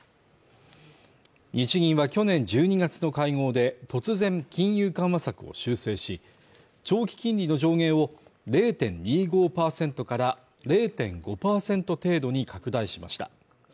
日銀は去年１２月の会合で、突然金融緩和策を修正し、長期金利の上限を０．２５％から０．５％程度に拡大しました。